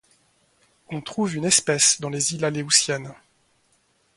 On trouve une espèce dans les îles Aléoutiennes.